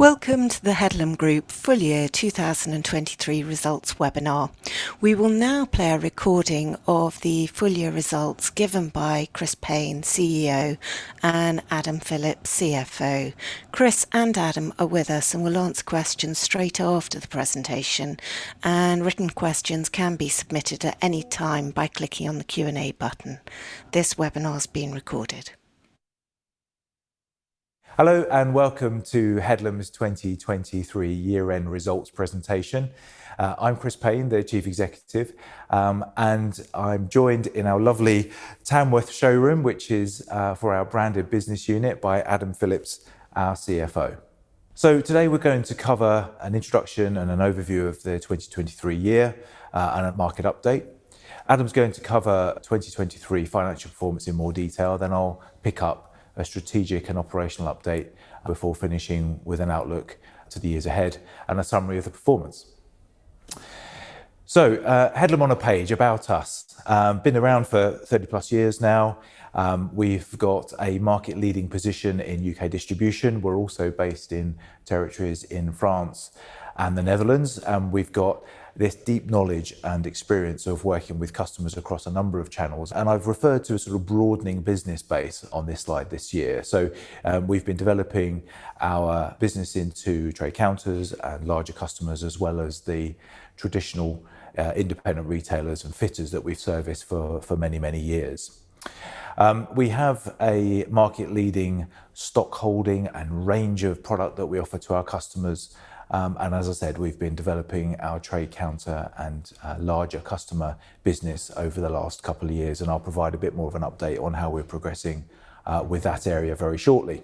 Welcome to the Headlam Group Full Year 2023 Results webinar. We will now play a recording of the full year results given by Chris Payne, CEO, and Adam Phillips, CFO. Chris and Adam are with us and will answer questions straight after the presentation, and written questions can be submitted at any time by clicking on the Q&A button. This webinar is being recorded. Hello, and welcome to Headlam's 2023 year-end results presentation. I'm Chris Payne, the Chief Executive, and I'm joined in our lovely Tamworth showroom, which is for our branded business unit, by Adam Phillips, our CFO. So today, we're going to cover an introduction and an overview of the 2023 year, and a market update. Adam's going to cover 2023 financial performance in more detail. Then I'll pick up a strategic and operational update before finishing with an outlook to the years ahead and a summary of the performance. So, Headlam on a page, About Us. Been around for 30+ years now. We've got a market-leading position in UK distribution. We're also based in territories in France and the Netherlands, and we've got this deep knowledge and experience of working with customers across a number of channels, and I've referred to a sort of broadening business base on this slide this year. So, we've been developing our business into trade counters and larger customers, as well as the traditional, independent retailers and fitters that we've serviced for, for many, many years. We have a market-leading stockholding and range of product that we offer to our customers. And as I said, we've been developing our trade counter and larger customer business over the last couple of years, and I'll provide a bit more of an update on how we're progressing with that area very shortly.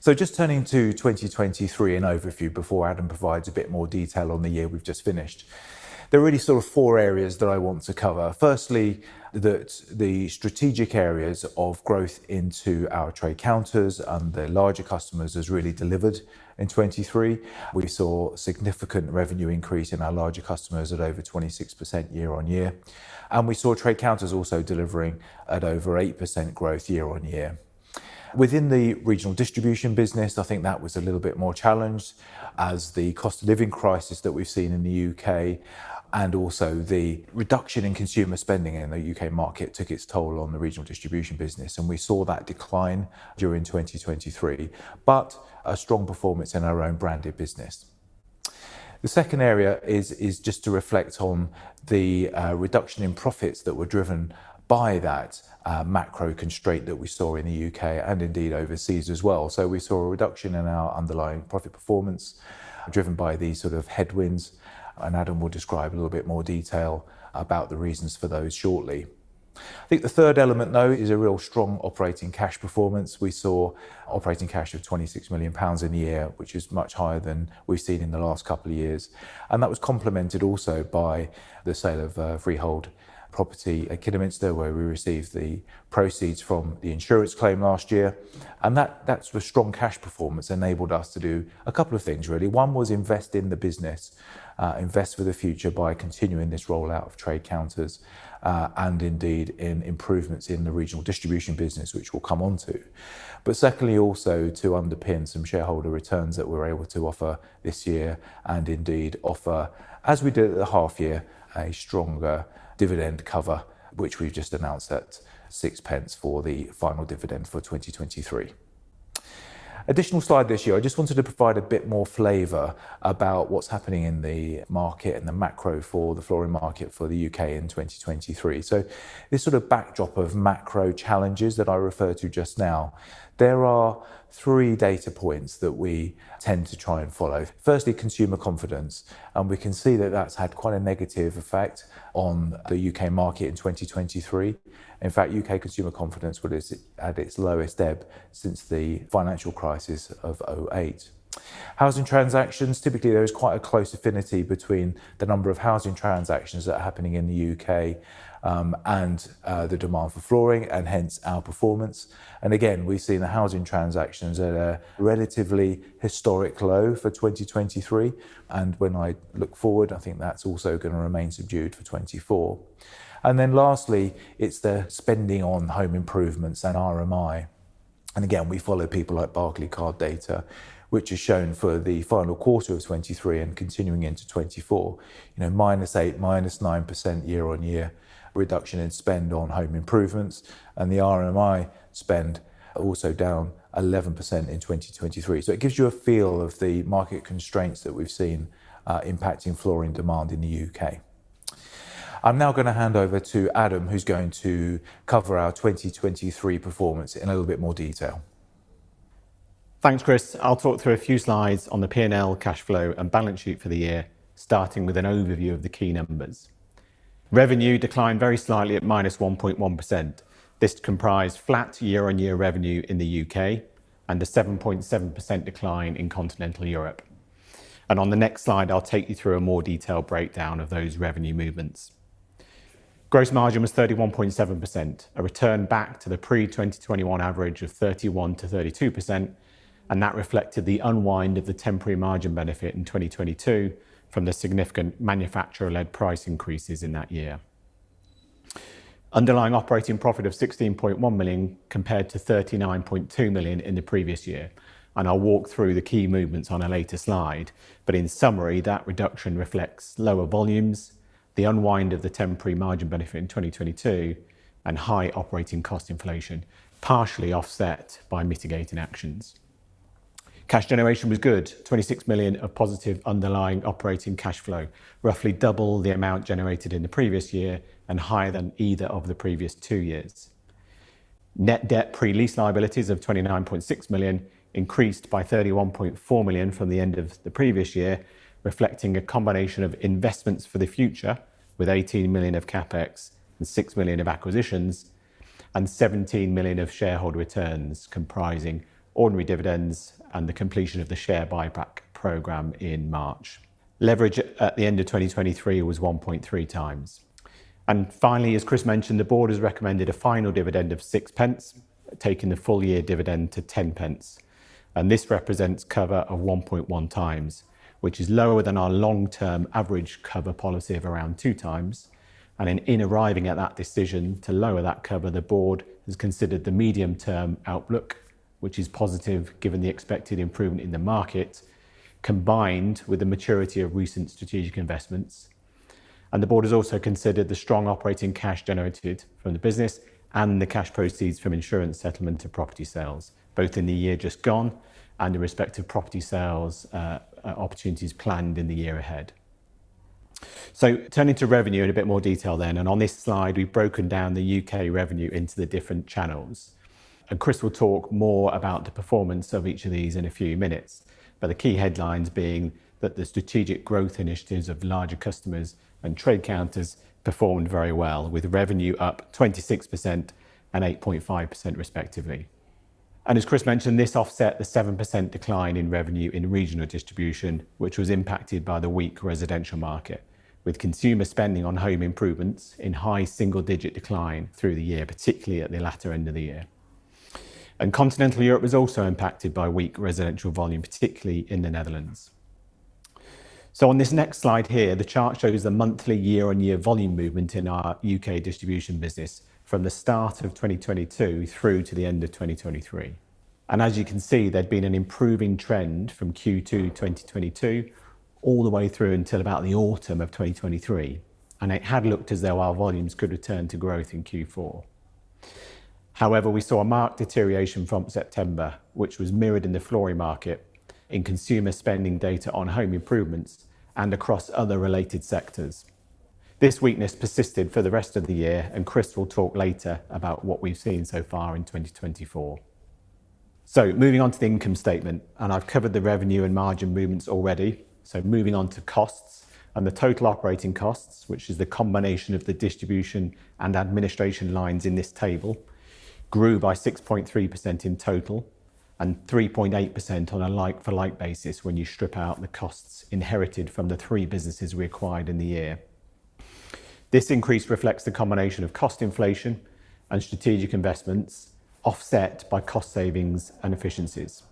So just turning to 2023, an overview before Adam provides a bit more detail on the year we've just finished. There are really sort of four areas that I want to cover. Firstly, the strategic areas of growth into our trade counters and the larger customers has really delivered in 2023. We saw significant revenue increase in our larger customers at over 26% year-on-year, and we saw trade counters also delivering at over 8% growth year-on-year. Within the regional distribution business, I think that was a little bit more challenged as the cost of living crisis that we've seen in the U.K. and also the reduction in consumer spending in the U.K. market took its toll on the regional distribution business, and we saw that decline during 2023, but a strong performance in our own branded business. The second area is just to reflect on the reduction in profits that were driven by that macro constraint that we saw in the UK and indeed overseas as well. So we saw a reduction in our underlying profit performance, driven by these sort of headwinds, and Adam will describe a little bit more detail about the reasons for those shortly. I think the third element, though, is a real strong operating cash performance. We saw operating cash of 26 million pounds in the year, which is much higher than we've seen in the last couple of years, and that was complemented also by the sale of freehold property at Kidderminster, where we received the proceeds from the insurance claim last year. That strong cash performance enabled us to do a couple of things, really. One was invest in the business, invest for the future by continuing this rollout of trade counters, and indeed in improvements in the regional distribution business, which we'll come onto. But secondly, also to underpin some shareholder returns that we're able to offer this year and indeed offer, as we did at the half year, a stronger dividend cover, which we've just announced at 0.06 for the final dividend for 2023. Additional slide this year. I just wanted to provide a bit more flavor about what's happening in the market and the macro for the flooring market for the UK in 2023. So this sort of backdrop of macro challenges that I referred to just now, there are three data points that we tend to try and follow. Firstly, consumer confidence, and we can see that that's had quite a negative effect on the U.K. market in 2023. In fact, U.K. consumer confidence was at its lowest ebb since the financial crisis of 2008. Housing transactions, typically, there is quite a close affinity between the number of housing transactions that are happening in the U.K., and the demand for flooring and hence our performance. And again, we've seen the housing transactions at a relatively historic low for 2023, and when I look forward, I think that's also going to remain subdued for 2024. And then lastly, it's the spending on home improvements and RMI. And again, we follow people like Barclaycard data, which is shown for the final quarter of 2023 and continuing into 2024. You know, -8%-9% year-on-year reduction in spend on home improvements and the RMI spend also down 11% in 2023. So it gives you a feel of the market constraints that we've seen, impacting flooring demand in the UK. I'm now going to hand over to Adam, who's going to cover our 2023 performance in a little bit more detail. Thanks, Chris. I'll talk through a few slides on the P&L, cash flow, and balance sheet for the year, starting with an overview of the key numbers. Revenue declined very slightly at -1.1%. This comprised flat year-on-year revenue in the UK and a 7.7% decline in Continental Europe. On the next slide, I'll take you through a more detailed breakdown of those revenue movements. Gross margin was 31.7%, a return back to the pre-2021 average of 31%-32%, and that reflected the unwind of the temporary margin benefit in 2022 from the significant manufacturer-led price increases in that year.... underlying operating profit of 16.1 million compared to 39.2 million in the previous year, and I'll walk through the key movements on a later slide. In summary, that reduction reflects lower volumes, the unwind of the temporary margin benefit in 2022, and high operating cost inflation, partially offset by mitigating actions. Cash generation was good, 26 million of positive underlying operating cash flow, roughly double the amount generated in the previous year and higher than either of the previous two years. Net debt pre-lease liabilities of 29.6 million increased by 31.4 million from the end of the previous year, reflecting a combination of investments for the future, with 18 million of CapEx and 6 million of acquisitions and 17 million of shareholder returns, comprising ordinary dividends and the completion of the share buyback program in March. Leverage at the end of 2023 was 1.3 times. Finally, as Chris mentioned, the board has recommended a final dividend of 0.06, taking the full-year dividend to 0.10, and this represents cover of 1.1 times, which is lower than our long-term average cover policy of around 2 times. In arriving at that decision to lower that cover, the board has considered the medium-term outlook, which is positive given the expected improvement in the market, combined with the maturity of recent strategic investments. The board has also considered the strong operating cash generated from the business and the cash proceeds from insurance settlement to property sales, both in the year just gone and the respective property sales opportunities planned in the year ahead. Turning to revenue in a bit more detail then, and on this slide, we've broken down the UK revenue into the different channels, and Chris will talk more about the performance of each of these in a few minutes. The key headlines being that the strategic growth initiatives of larger customers and trade counters performed very well, with revenue up 26% and 8.5%, respectively. As Chris mentioned, this offset the 7% decline in revenue in regional distribution, which was impacted by the weak residential market, with consumer spending on home improvements in high single-digit decline through the year, particularly at the latter end of the year. Continental Europe was also impacted by weak residential volume, particularly in the Netherlands. So on this next slide here, the chart shows the monthly year-on-year volume movement in our UK distribution business from the start of 2022 through to the end of 2023. And as you can see, there'd been an improving trend from Q2 2022 all the way through until about the autumn of 2023, and it had looked as though our volumes could return to growth in Q4. However, we saw a marked deterioration from September, which was mirrored in the flooring market, in consumer spending data on home improvements and across other related sectors. This weakness persisted for the rest of the year, and Chris will talk later about what we've seen so far in 2024. So moving on to the income statement, and I've covered the revenue and margin movements already. Moving on to costs and the total operating costs, which is the combination of the distribution and administration lines in this table, grew by 6.3% in total and 3.8% on a like-for-like basis when you strip out the costs inherited from the three businesses we acquired in the year. This increase reflects the combination of cost inflation and strategic investments, offset by cost savings and efficiencies.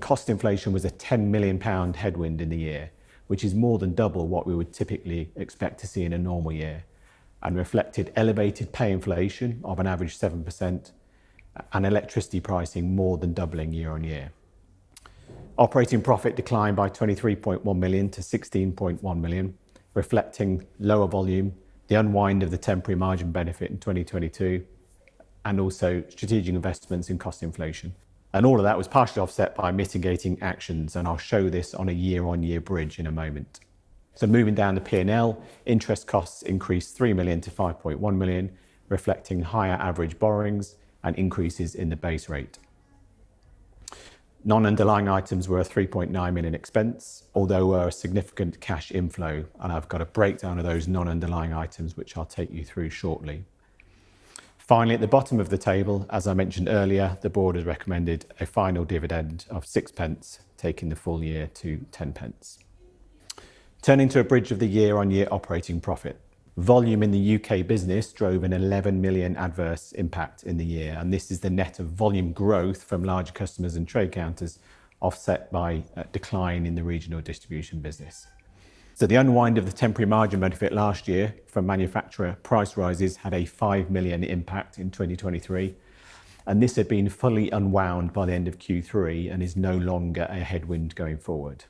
Cost inflation was a 10 million pound headwind in the year, which is more than double what we would typically expect to see in a normal year, and reflected elevated pay inflation of an average 7% and electricity pricing more than doubling year-on-year. Operating profit declined by 23.1 million to 16.1 million, reflecting lower volume, the unwind of the temporary margin benefit in 2022, and also strategic investments in cost inflation. And all of that was partially offset by mitigating actions, and I'll show this on a year-on-year bridge in a moment. So moving down the P&L, interest costs increased 3 million to 5.1 million, reflecting higher average borrowings and increases in the base rate. Non-underlying items were a 3.9 million expense, although were a significant cash inflow, and I've got a breakdown of those non-underlying items, which I'll take you through shortly. Finally, at the bottom of the table, as I mentioned earlier, the board has recommended a final dividend of 0.06, taking the full year to 0.10. Turning to a bridge of the year-on-year operating profit. Volume in the UK business drove a 11 million adverse impact in the year, and this is the net of volume growth from large customers and trade counters, offset by a decline in the regional distribution business. The unwind of the temporary margin benefit last year from manufacturer price rises had a 5 million impact in 2023, and this had been fully unwound by the end of Q3 and is no longer a headwind going forward.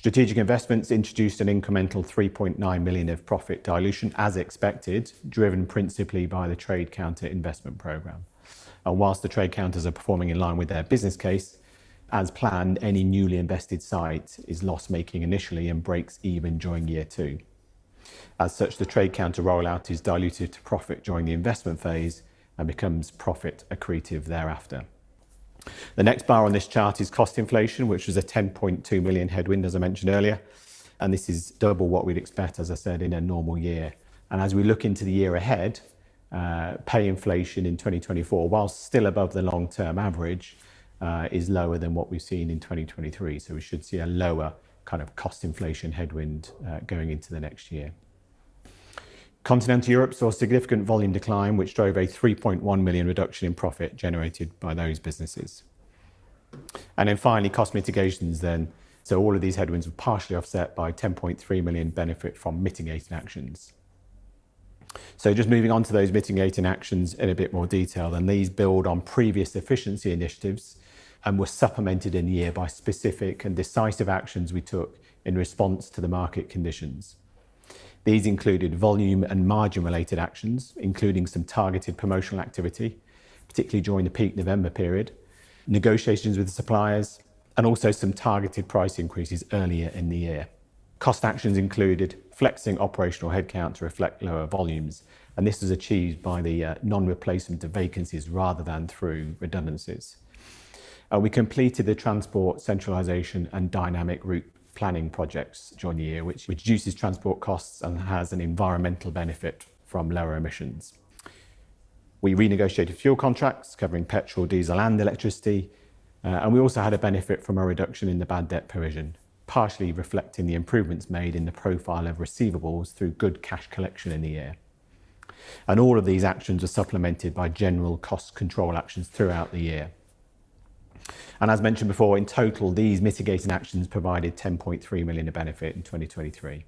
Strategic investments introduced an incremental 3.9 million of profit dilution, as expected, driven principally by the trade counter investment program. While the trade counters are performing in line with their business case, as planned, any newly invested site is loss-making initially and breaks even during year two. As such, the trade counter rollout is diluted to profit during the investment phase and becomes profit accretive thereafter. The next bar on this chart is cost inflation, which was a 10.2 million headwind, as I mentioned earlier, and this is double what we'd expect, as I said, in a normal year. As we look into the year ahead, pay inflation in 2024, while still above the long-term average, is lower than what we've seen in 2023. We should see a lower kind of cost inflation headwind, going into the next year. Continental Europe saw a significant volume decline, which drove a 3.1 million reduction in profit generated by those businesses. And then finally, cost mitigations then. So all of these headwinds were partially offset by 10.3 million benefit from mitigating actions. Just moving on to those mitigating actions in a bit more detail, and these build on previous efficiency initiatives and were supplemented in the year by specific and decisive actions we took in response to the market conditions. These included volume and margin-related actions, including some targeted promotional activity, particularly during the peak November period, negotiations with the suppliers, and also some targeted price increases earlier in the year. Cost actions included flexing operational headcount to reflect lower volumes, and this was achieved by the non-replacement of vacancies rather than through redundancies. We completed the transport centralization and dynamic route planning projects during the year, which reduces transport costs and has an environmental benefit from lower emissions. We renegotiated fuel contracts covering petrol, diesel, and electricity, and we also had a benefit from a reduction in the bad debt provision, partially reflecting the improvements made in the profile of receivables through good cash collection in the year. All of these actions are supplemented by general cost control actions throughout the year. As mentioned before, in total, these mitigating actions provided 10.3 million of benefit in 2023.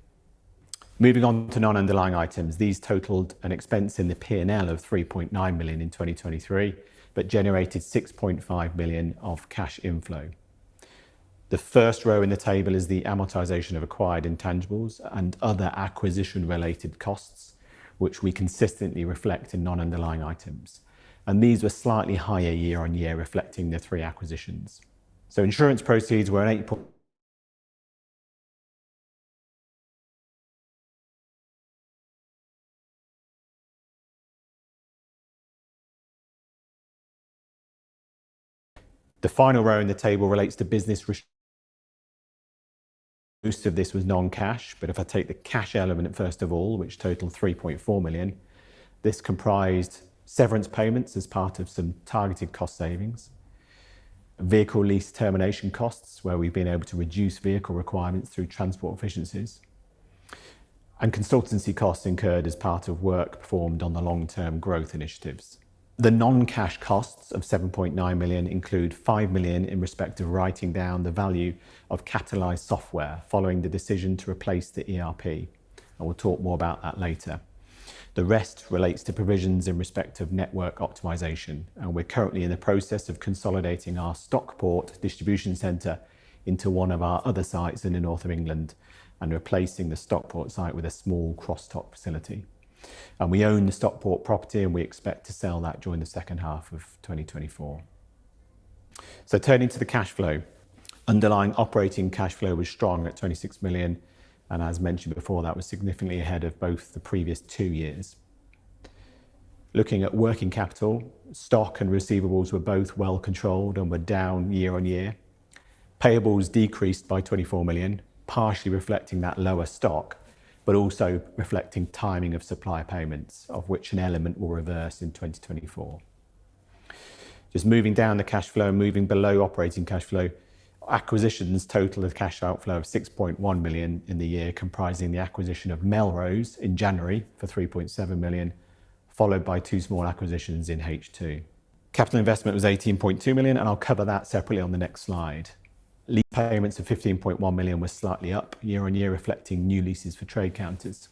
Moving on to non-underlying items, these totaled an expense in the P&L of 3.9 million in 2023, but generated 6.5 million of cash inflow. The first row in the table is the amortization of acquired intangibles and other acquisition-related costs, which we consistently reflect in non-underlying items. These were slightly higher year-on-year, reflecting the three acquisitions. The final row in the table relates to business restructuring. Most of this was non-cash, but if I take the cash element first of all, which totaled 3.4 million, this comprised severance payments as part of some targeted cost savings. Vehicle lease termination costs, where we've been able to reduce vehicle requirements through transport efficiencies. And consultancy costs incurred as part of work performed on the long-term growth initiatives. The non-cash costs of 7.9 million include 5 million in respect of writing down the value of Catalyst software, following the decision to replace the ERP. I will talk more about that later. The rest relates to provisions in respect of network optimization, and we're currently in the process of consolidating our Stockport distribution center into one of our other sites in the North of England and replacing the Stockport site with a small cross-dock facility. We own the Stockport property, and we expect to sell that during the second half of 2024. Turning to the cash flow, underlying operating cash flow was strong at 26 million, and as mentioned before, that was significantly ahead of both the previous two years. Looking at working capital, stock and receivables were both well controlled and were down year-over-year. Payables decreased by 24 million, partially reflecting that lower stock, but also reflecting timing of supplier payments, of which an element will reverse in 2024. Just moving down the cash flow, moving below operating cash flow, acquisitions total of cash outflow of 6.1 million in the year, comprising the acquisition of Melrose in January for 3.7 million, followed by two small acquisitions in H2. Capital investment was 18.2 million, and I'll cover that separately on the next slide. Lease payments of 15.1 million were slightly up year-over-year, reflecting new leases for trade counters.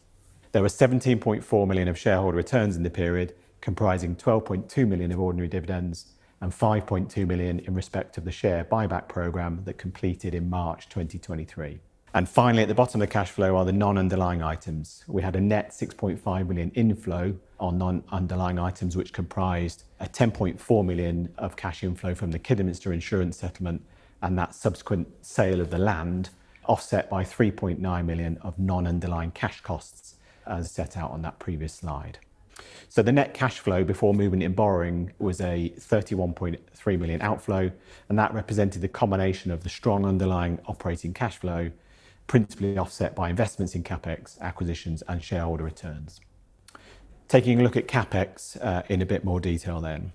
There were 17.4 million of shareholder returns in the period, comprising 12.2 million of ordinary dividends and 5.2 million in respect of the share buyback program that completed in March 2023. And finally, at the bottom of the cash flow are the non-underlying items. We had a net 6.5 million inflow on non-underlying items, which comprised a 10.4 million of cash inflow from the Kidderminster insurance settlement and that subsequent sale of the land, offset by 3.9 million of non-underlying cash costs, as set out on that previous slide. So the net cash flow before movement in borrowing was a 31.3 million outflow, and that represented a combination of the strong underlying operating cash flow, principally offset by investments in CapEx, acquisitions, and shareholder returns. Taking a look at CapEx in a bit more detail then.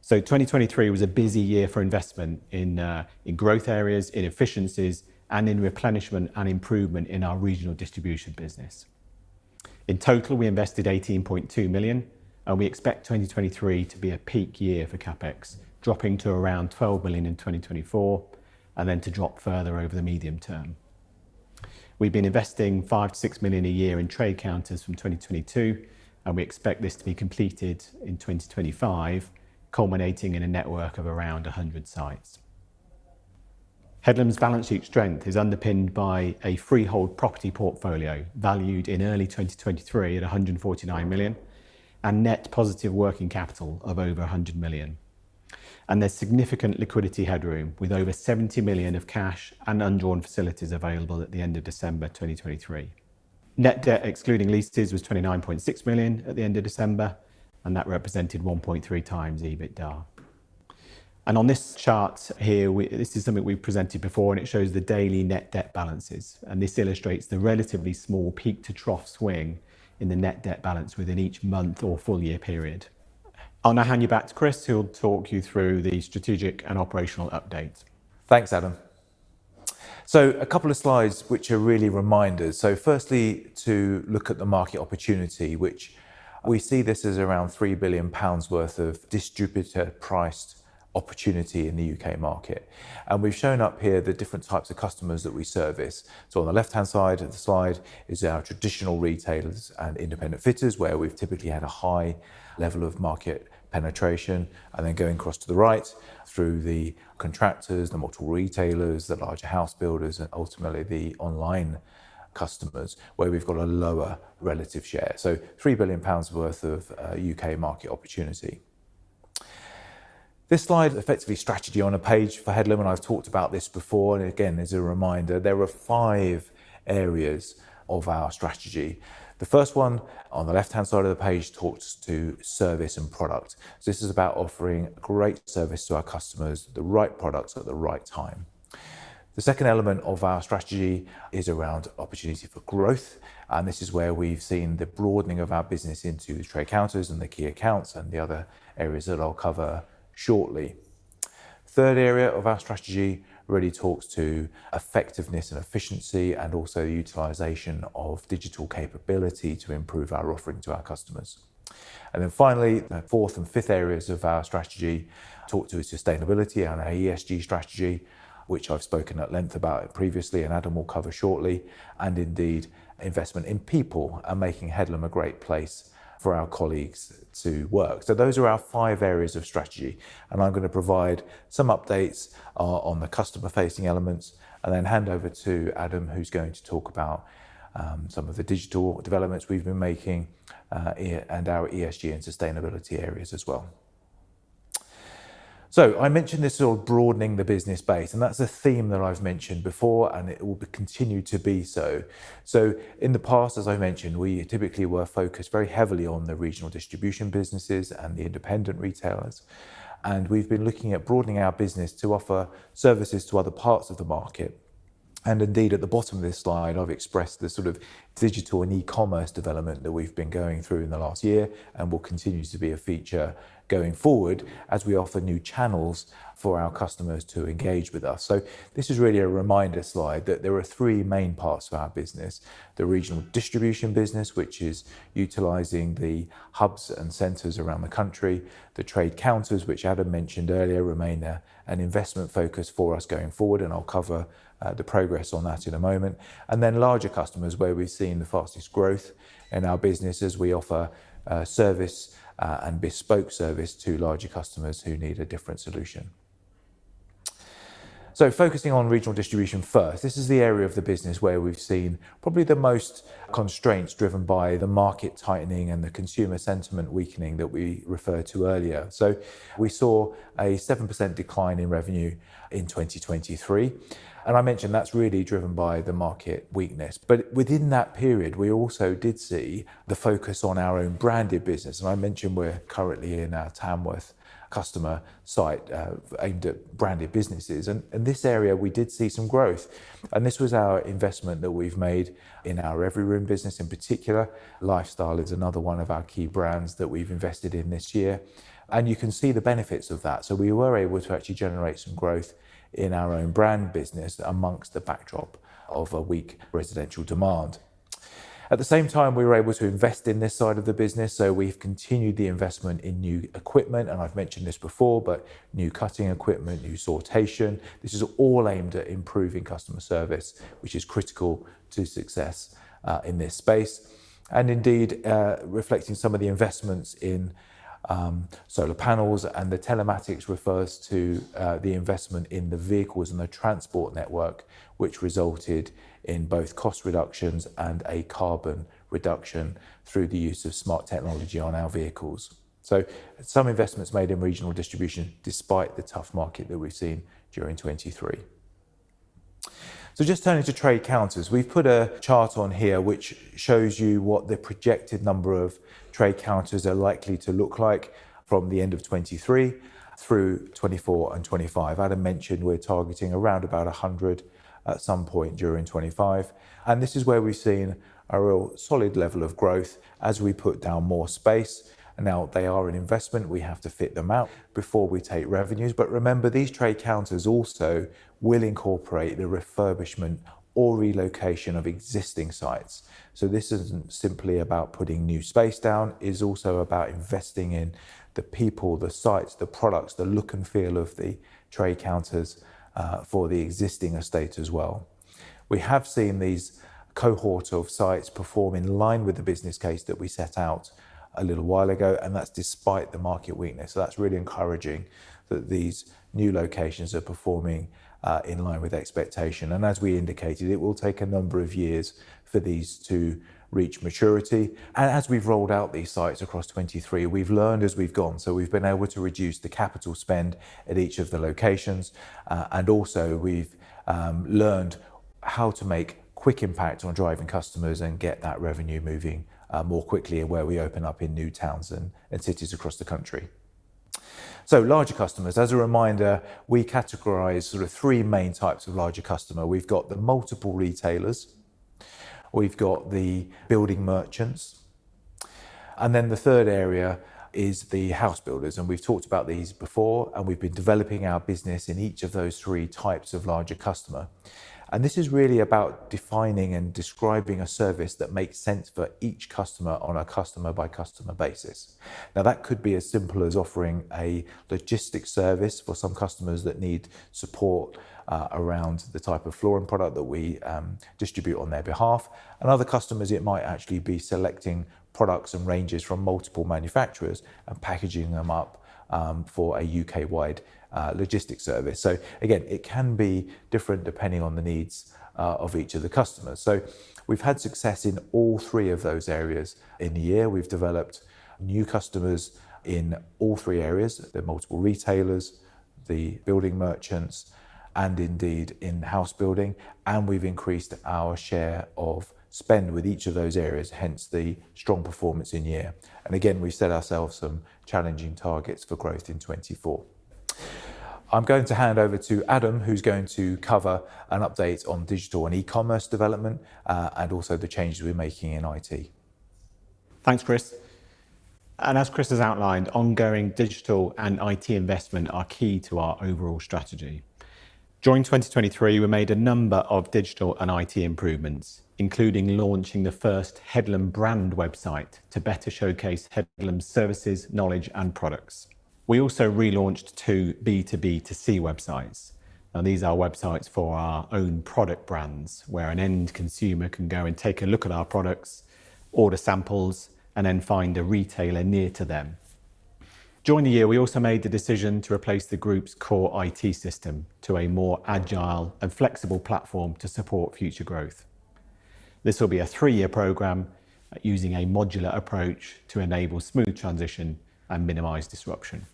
So 2023 was a busy year for investment in in growth areas, in efficiencies, and in replenishment and improvement in our regional distribution business. In total, we invested 18.2 million, and we expect 2023 to be a peak year for CapEx, dropping to around 12 million in 2024, and then to drop further over the medium term. We've been investing 5-6 million a year in trade counters from 2022, and we expect this to be completed in 2025, culminating in a network of around 100 sites. Headlam's balance sheet strength is underpinned by a freehold property portfolio, valued in early 2023 at 149 million, and net positive working capital of over 100 million. And there's significant liquidity headroom, with over 70 million of cash and undrawn facilities available at the end of December 2023. Net debt, excluding leases, was 29.6 million at the end of December, and that represented 1.3 times EBITDA. On this chart here. This is something we've presented before, and it shows the daily net debt balances, and this illustrates the relatively small peak-to-trough swing in the net debt balance within each month or full year period. I'll now hand you back to Chris, who'll talk you through the strategic and operational update. Thanks, Adam.... So a couple of slides which are really reminders. So firstly, to look at the market opportunity, which we see this as around 3 billion pounds worth of distributed priced opportunity in the UK market. And we've shown up here the different types of customers that we service. So on the left-hand side of the slide is our traditional retailers and independent fitters, where we've typically had a high level of market penetration, and then going across to the right, through the contractors, the multiple retailers, the larger house builders, and ultimately the online customers, where we've got a lower relative share. So 3 billion pounds worth of UK market opportunity. This slide, effectively strategy on a page for Headlam, and I've talked about this before, and again, as a reminder, there are five areas of our strategy. The first one, on the left-hand side of the page, talks to service and product. So this is about offering great service to our customers, the right products at the right time. The second element of our strategy is around opportunity for growth, and this is where we've seen the broadening of our business into the trade counters and the key accounts and the other areas that I'll cover shortly. The third area of our strategy really talks to effectiveness and efficiency, and also utilization of digital capability to improve our offering to our customers. Then finally, the fourth and fifth areas of our strategy talk to sustainability and our ESG strategy, which I've spoken at length about previously, and Adam will cover shortly. Indeed, investment in people are making Headlam a great place for our colleagues to work. So those are our five areas of strategy, and I'm going to provide some updates on the customer-facing elements and then hand over to Adam, who's going to talk about some of the digital developments we've been making, and our ESG and sustainability areas as well. So I mentioned this sort of broadening the business base, and that's a theme that I've mentioned before, and it will continue to be so. So in the past, as I mentioned, we typically were focused very heavily on the regional distribution businesses and the independent retailers, and we've been looking at broadening our business to offer services to other parts of the market. And indeed, at the bottom of this slide, I've expressed the sort of digital and e-commerce development that we've been going through in the last year and will continue to be a feature going forward as we offer new channels for our customers to engage with us. So this is really a reminder slide that there are three main parts to our business: the regional distribution business, which is utilizing the hubs and centers around the country, the trade counters, which Adam mentioned earlier, remain an investment focus for us going forward, and I'll cover the progress on that in a moment. And then larger customers, where we've seen the fastest growth in our business as we offer service and bespoke service to larger customers who need a different solution. Focusing on regional distribution first, this is the area of the business where we've seen probably the most constraints driven by the market tightening and the consumer sentiment weakening that we referred to earlier. We saw a 7% decline in revenue in 2023, and I mentioned that's really driven by the market weakness. But within that period, we also did see the focus on our own branded business, and I mentioned we're currently in our Tamworth customer site aimed at branded businesses. In this area, we did see some growth, and this was our investment that we've made in our Everyroom business, in particular. Lifestyle is another one of our key brands that we've invested in this year, and you can see the benefits of that. So we were able to actually generate some growth in our own brand business among the backdrop of a weak residential demand. At the same time, we were able to invest in this side of the business, so we've continued the investment in new equipment, and I've mentioned this before, but new cutting equipment, new sortation, this is all aimed at improving customer service, which is critical to success, in this space. And indeed, reflecting some of the investments in, solar panels and the telematics refers to, the investment in the vehicles and the transport network, which resulted in both cost reductions and a carbon reduction through the use of smart technology on our vehicles. So some investments made in regional distribution, despite the tough market that we've seen during 2023. So just turning to trade counters. We've put a chart on here which shows you what the projected number of trade counters are likely to look like from the end of 2023 through 2024 and 2025. Adam mentioned we're targeting around about 100 at some point during 2025, and this is where we've seen a real solid level of growth as we put down more space. Now they are an investment. We have to fit them out before we take revenues. But remember, these trade counters also will incorporate the refurbishment or relocation of existing sites. So this isn't simply about putting new space down, it's also about investing in the people, the sites, the products, the look and feel of the trade counters for the existing estate as well. We have seen these cohort of sites perform in line with the business case that we set out a little while ago, and that's despite the market weakness. So that's really encouraging that these new locations are performing in line with expectation. And as we indicated, it will take a number of years for these to reach maturity. And as we've rolled out these sites across 2023, we've learned as we've gone, so we've been able to reduce the capital spend at each of the locations. And also we've learned how to make quick impact on driving customers and get that revenue moving more quickly where we open up in new towns and cities across the country. So larger customers, as a reminder, we categorise sort of three main types of larger customer. We've got the multiple retailers, we've got the building merchants-... Then the third area is the house builders, and we've talked about these before, and we've been developing our business in each of those three types of larger customer. This is really about defining and describing a service that makes sense for each customer on a customer-by-customer basis. Now, that could be as simple as offering a logistics service for some customers that need support around the type of flooring product that we distribute on their behalf. Other customers, it might actually be selecting products and ranges from multiple manufacturers and packaging them up for a U.K.-wide logistics service. Again, it can be different depending on the needs of each of the customers. We've had success in all three of those areas. In the year, we've developed new customers in all three areas, the multiple retailers, the building merchants, and indeed, in house building, and we've increased our share of spend with each of those areas, hence the strong performance in year. Again, we've set ourselves some challenging targets for growth in 2024. I'm going to hand over to Adam, who's going to cover an update on digital and e-commerce development, and also the changes we're making in IT. Thanks, Chris. As Chris has outlined, ongoing digital and IT investment are key to our overall strategy. During 2023, we made a number of digital and IT improvements, including launching the first Headlam brand website to better showcase Headlam's services, knowledge, and products. We also relaunched two B2B2C websites. Now, these are websites for our own product brands, where an end consumer can go and take a look at our products, order samples, and then find a retailer near to them. During the year, we also made the decision to replace the group's core IT system to a more agile and flexible platform to support future growth. This will be a three-year program using a modular approach to enable smooth transition and minimize disruption.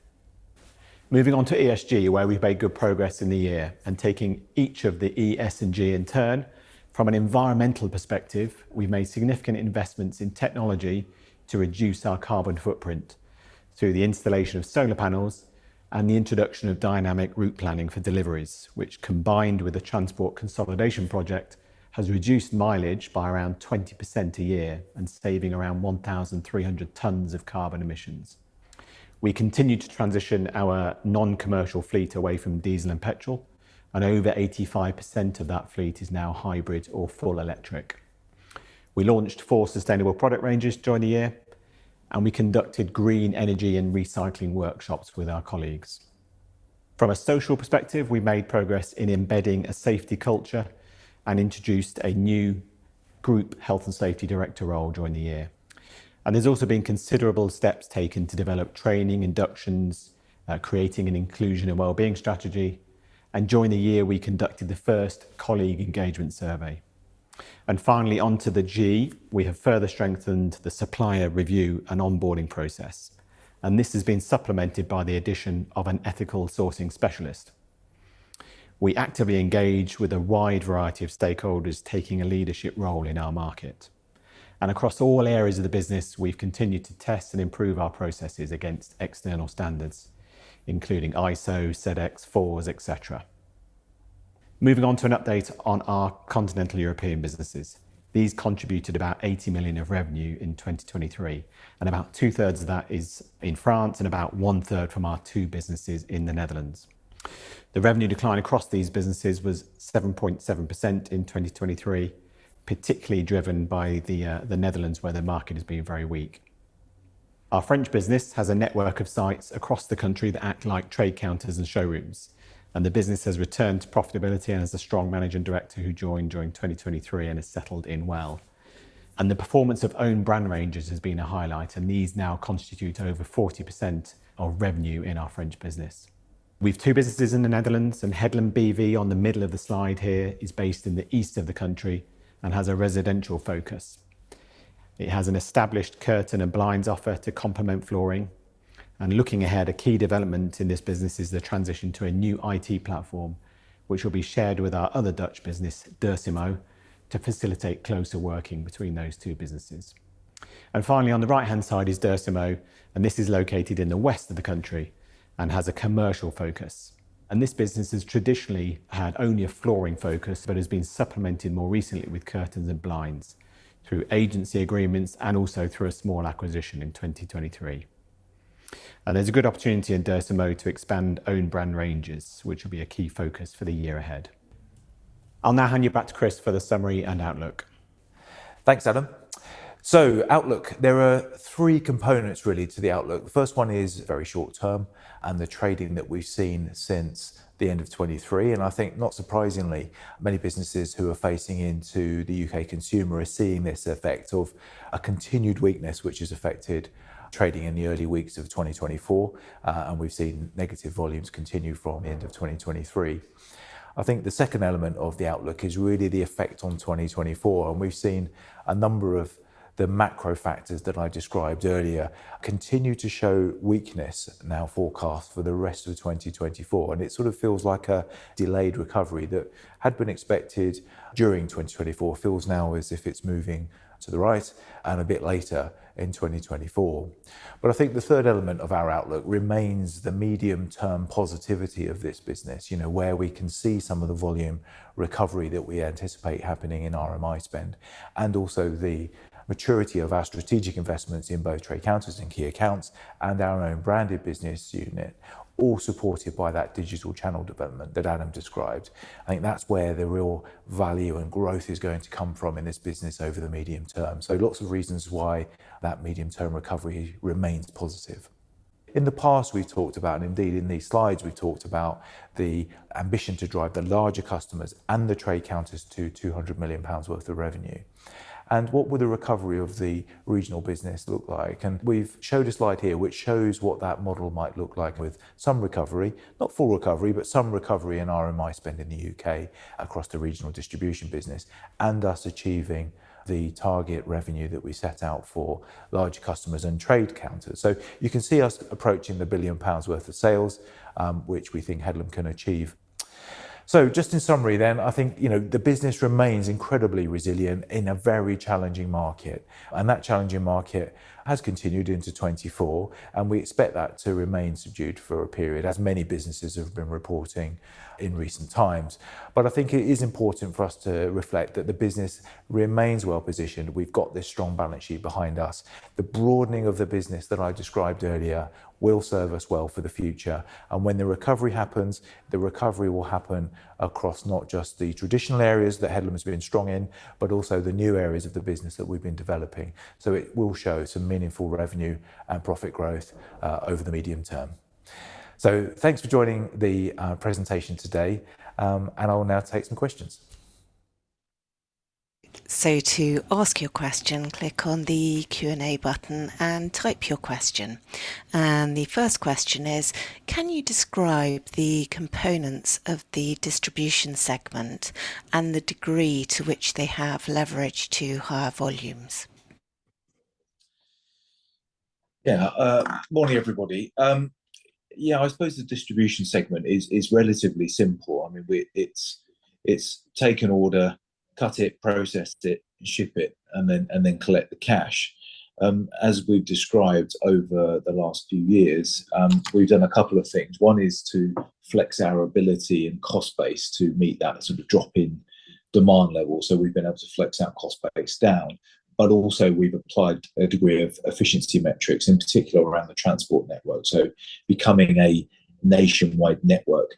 Moving on to ESG, where we've made good progress in the year, and taking each of the E, S, and G in turn, from an environmental perspective, we've made significant investments in technology to reduce our carbon footprint through the installation of solar panels and the introduction of dynamic route planning for deliveries, which, combined with a transport consolidation project, has reduced mileage by around 20% a year and saving around 1,300 tons of carbon emissions. We continued to transition our non-commercial fleet away from diesel and petrol, and over 85% of that fleet is now hybrid or full electric. We launched four sustainable product ranges during the year, and we conducted green energy and recycling workshops with our colleagues. From a social perspective, we made progress in embedding a safety culture and introduced a new group health and safety director role during the year. There's also been considerable steps taken to develop training inductions, creating an inclusion and wellbeing strategy, and during the year, we conducted the first colleague engagement survey. Finally, onto the G, we have further strengthened the supplier review and onboarding process, and this has been supplemented by the addition of an ethical sourcing specialist. We actively engage with a wide variety of stakeholders, taking a leadership role in our market. Across all areas of the business, we've continued to test and improve our processes against external standards, including ISO, Sedex, FORS, et cetera. Moving on to an update on our continental European businesses. These contributed about 80 million of revenue in 2023, and about two-thirds of that is in France and about one-third from our two businesses in the Netherlands. The revenue decline across these businesses was 7.7% in 2023, particularly driven by the Netherlands, where the market has been very weak. Our French business has a network of sites across the country that act like trade counters and showrooms, and the business has returned to profitability and has a strong managing director who joined during 2023 and has settled in well. And the performance of own brand ranges has been a highlight, and these now constitute over 40% of revenue in our French business. We've two businesses in the Netherlands, and Headlam BV, on the middle of the slide here, is based in the east of the country and has a residential focus. It has an established curtain and blinds offer to complement flooring, and looking ahead, a key development in this business is the transition to a new IT platform, which will be shared with our other Dutch business, Dersimo, to facilitate closer working between those two businesses. Finally, on the right-hand side is Dersimo, and this is located in the west of the country and has a commercial focus. This business has traditionally had only a flooring focus but has been supplemented more recently with curtains and blinds through agency agreements and also through a small acquisition in 2023. There's a good opportunity in Dersimo to expand own brand ranges, which will be a key focus for the year ahead. I'll now hand you back to Chris for the summary and outlook. Thanks, Adam. So outlook, there are three components really to the outlook. The first one is very short term and the trading that we've seen since the end of 2023, and I think, not surprisingly, many businesses who are facing into the U.K. consumer are seeing this effect of a continued weakness, which has affected trading in the early weeks of 2024, and we've seen negative volumes continue from the end of 2023. I think the second element of the outlook is really the effect on 2024, and we've seen a number of the macro factors that I described earlier continue to show weakness now forecast for the rest of 2024, and it sort of feels like a delayed recovery that had been expected during 2024. Feels now as if it's moving to the right and a bit later in 2024... I think the third element of our outlook remains the medium-term positivity of this business, you know, where we can see some of the volume recovery that we anticipate happening in RMI spend, and also the maturity of our strategic investments in both trade counters and key accounts, and our own branded business unit, all supported by that digital channel development that Adam described. I think that's where the real value and growth is going to come from in this business over the medium term. Lots of reasons why that medium-term recovery remains positive. In the past, we've talked about, and indeed in these slides, we've talked about the ambition to drive the larger customers and the trade counters to 200 million pounds worth of revenue. What would the recovery of the regional business look like? We've showed a slide here, which shows what that model might look like with some recovery, not full recovery, but some recovery in RMI spend in the UK across the regional distribution business, and thus achieving the target revenue that we set out for large customers and trade counters. So you can see us approaching 1 billion pounds worth of sales, which we think Headlam can achieve. So just in summary, then, I think, you know, the business remains incredibly resilient in a very challenging market, and that challenging market has continued into 2024, and we expect that to remain subdued for a period, as many businesses have been reporting in recent times. But I think it is important for us to reflect that the business remains well-positioned. We've got this strong balance sheet behind us. The broadening of the business that I described earlier will serve us well for the future. When the recovery happens, the recovery will happen across not just the traditional areas that Headlam has been strong in, but also the new areas of the business that we've been developing. It will show some meaningful revenue and profit growth over the medium term. Thanks for joining the presentation today, and I will now take some questions. To ask your question, click on the Q&A button and type your question. The first question is: Can you describe the components of the distribution segment and the degree to which they have leverage to higher volumes? Yeah, morning, everybody. Yeah, I suppose the distribution segment is relatively simple. I mean, it's take an order, cut it, process it, ship it, and then collect the cash. As we've described over the last few years, we've done a couple of things. One is to flex our ability and cost base to meet that sort of drop in demand level. So we've been able to flex our cost base down, but also we've applied a degree of efficiency metrics, in particular around the transport network. So becoming a nationwide network,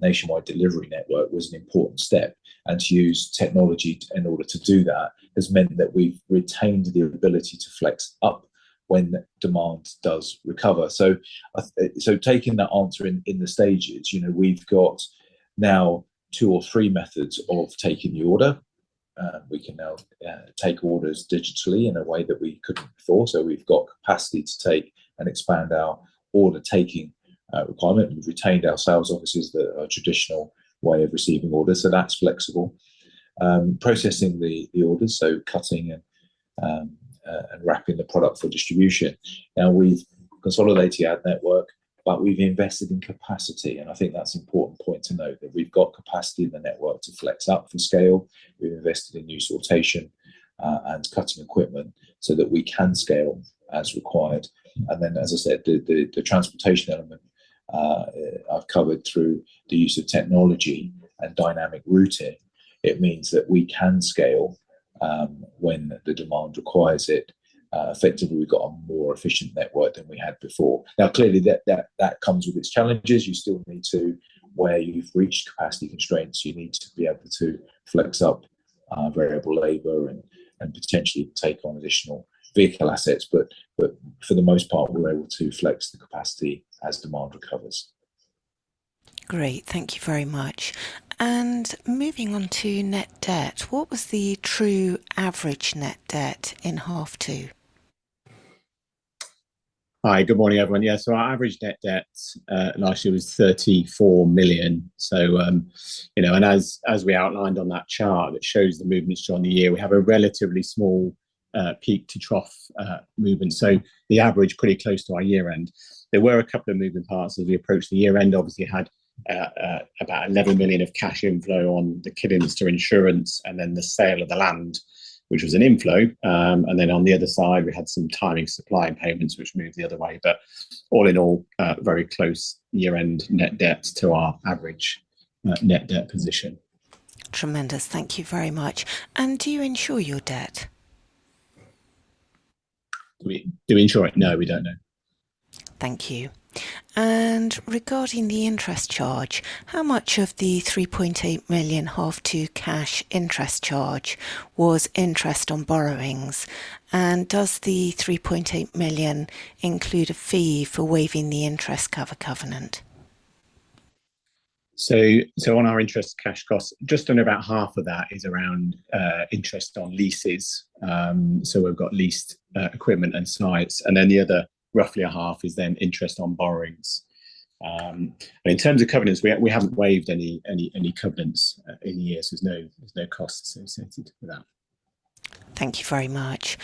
nationwide delivery network was an important step, and to use technology in order to do that has meant that we've retained the ability to flex up when demand does recover. So taking that answer in the stages, you know, we've got now two or three methods of taking the order. We can now take orders digitally in a way that we couldn't before. So we've got capacity to take and expand our order-taking requirement. We've retained our sales offices, the traditional way of receiving orders, so that's flexible. Processing the orders, so cutting and wrapping the product for distribution. Now, we've consolidated our network, but we've invested in capacity, and I think that's an important point to note, that we've got capacity in the network to flex up for scale. We've invested in new sortation and cutting equipment so that we can scale as required. And then, as I said, the transportation element, I've covered through the use of technology and dynamic routing. It means that we can scale when the demand requires it. Effectively, we've got a more efficient network than we had before. Now, clearly, that comes with its challenges. You still need to, where you've reached capacity constraints, you need to be able to flex up, variable labor and potentially take on additional vehicle assets, but for the most part, we're able to flex the capacity as demand recovers. Great. Thank you very much. Moving on to net debt, what was the true average net debt in half two? Hi. Good morning, everyone. Yeah, so our average net debt last year was 34 million. So, you know, and as we outlined on that chart, that shows the movements during the year, we have a relatively small peak-to-trough movement, so the average pretty close to our year end. There were a couple of moving parts as we approached the year end. Obviously, had about 11 million of cash inflow on the Kidderminster insurance and then the sale of the land, which was an inflow. And then on the other side, we had some timing supply and payments, which moved the other way, but all in all, very close year-end net debt to our average net debt position. Tremendous. Thank you very much. Do you insure your debt? Do we insure it? No, we don't, no. Thank you. Regarding the interest charge, how much of the 3.8 million H2 cash interest charge was interest on borrowings? Does the 3.8 million include a fee for waiving the interest cover covenant? So on our interest cash costs, just on about half of that is around interest on leases. So we've got leased equipment and sites, and then the other roughly a half is then interest on borrowings. In terms of covenants, we haven't waived any covenants in years, so there's no costs associated with that. Thank you very much.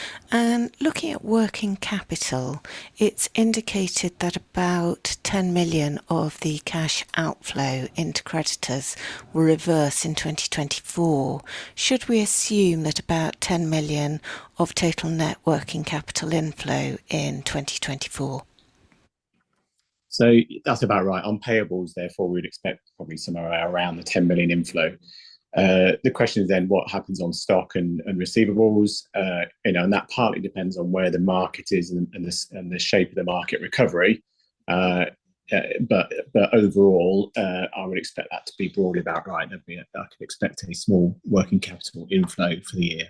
Looking at working capital, it's indicated that about 10 million of the cash outflow into creditors will reverse in 2024. Should we assume that about 10 million of total net working capital inflow in 2024?... So that's about right. On payables, therefore, we'd expect probably somewhere around the 10 million inflow. The question is then what happens on stock and receivables, and note that partly depends on where the market is and the shape of the market recovery. But overall, I would expect that to be broadly about right, and I could expect a small working capital inflow for the year.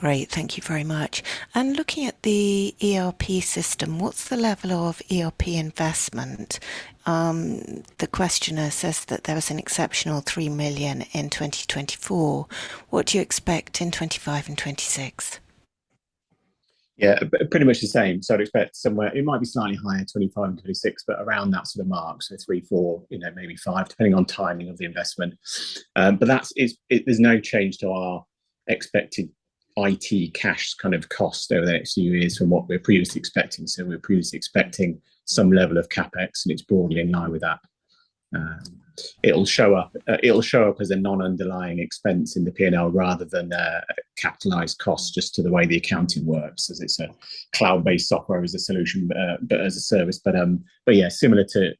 Great, thank you very much. And looking at the ERP system, what's the level of ERP investment? The questioner says that there was an exceptional 3 million in 2024. What do you expect in 2025 and 2026? Yeah, pretty much the same. So I'd expect somewhere, it might be slightly higher, 25-26, but around that sort of mark. So 3-4, you know, maybe 5, depending on timing of the investment. But that's, there's no change to our expected IT cash kind of cost over the next few years from what we were previously expecting. So we were previously expecting some level of CapEx, and it's broadly in line with that. It'll show up as a non-underlying expense in the P&L rather than a capitalized cost, just the way the accounting works, as it's a cloud-based software as a solution, but as a service. But yeah,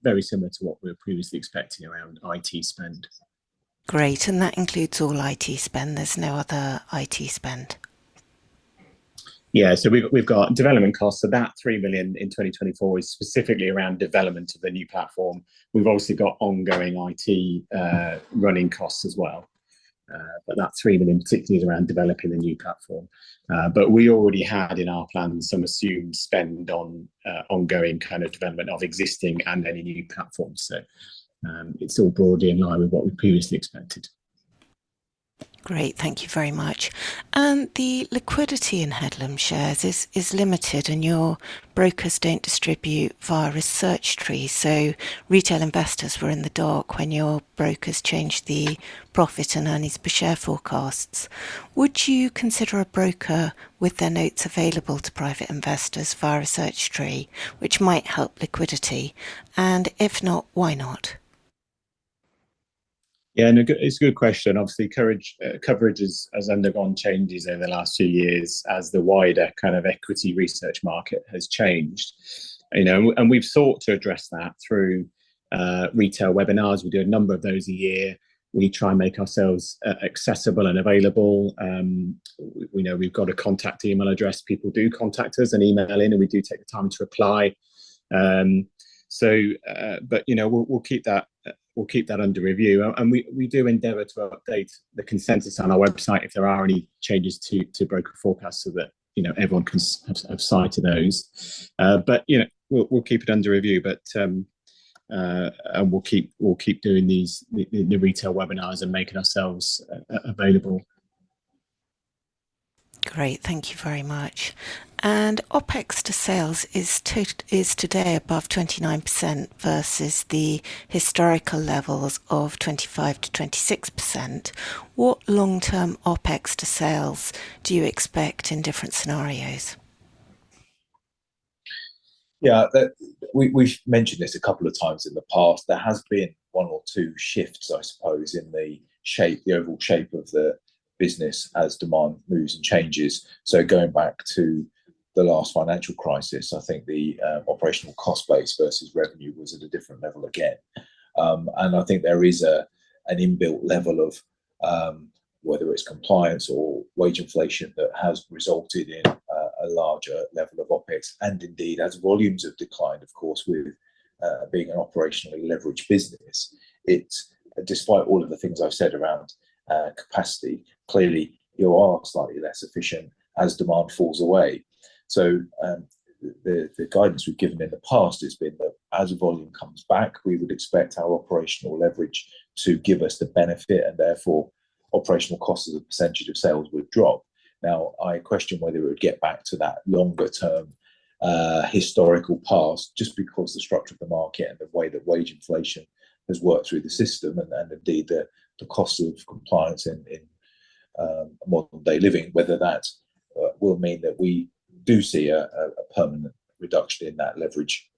very similar to what we were previously expecting around IT spend. Great, and that includes all IT spend, there's no other IT spend? Yeah. So we've got development costs. So that 3 million in 2024 is specifically around development of the new platform. We've obviously got ongoing IT, running costs as well. But that 3 million particularly is around developing the new platform. But we already had in our plans some assumed spend on, ongoing kind of development of existing and any new platforms. So, it's all broadly in line with what we previously expected. Great, thank you very much. The liquidity in Headlam shares is limited, and your brokers don't distribute via Research Tree so retail investors were in the dark when your brokers changed the profit and earnings per share forecasts. Would you consider a broker with their notes available to private investors via a search tree which might help liquidity? If not, why not? Yeah, it's a good question. Obviously, coverage has undergone changes over the last two years as the wider kind of equity research market has changed. You know, and we've sought to address that through retail webinars. We do a number of those a year. We try and make ourselves accessible and available. We know we've got a contact email address. People do contact us and email in, and we do take the time to reply. So, but, you know, we'll keep that under review. And we do endeavor to update the consensus on our website if there are any changes to broker forecasts so that, you know, everyone can have sight to those. But, you know, we'll keep it under review, and we'll keep doing these retail webinars and making ourselves available. Great. Thank you very much. OpEx to sales is today above 29% versus the historical levels of 25%-26%. What long-term OpEx to sales do you expect in different scenarios? Yeah, we've mentioned this a couple of times in the past. There has been one or two shifts, I suppose, in the shape, the overall shape of the business as demand moves and changes. So going back to the last financial crisis, I think the operational cost base versus revenue was at a different level again. And I think there is an inbuilt level of whether it's compliance or wage inflation, that has resulted in a larger level of OpEx. And indeed, as volumes have declined, of course, with being an operationally leveraged business, it's despite all of the things I've said around capacity, clearly you are slightly less efficient as demand falls away. So, the guidance we've given in the past has been that as volume comes back, we would expect our operational leverage to give us the benefit, and therefore, operational cost as a percentage of sales would drop. Now, I question whether it would get back to that longer-term historical past, just because the structure of the market and the way that wage inflation has worked through the system and indeed, the cost of compliance in modern-day living, whether that will mean that we do see a permanent reduction in that leverage